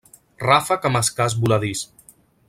Ràfec amb escàs voladís.